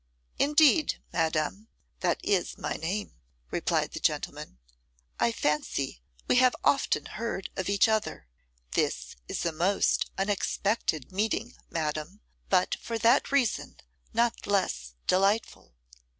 'Indeed, madam, that is my name,' replied the gentleman; 'I fancy we have often heard of each other. This a most unexpected meeting, madam, but for that reason not less delightful.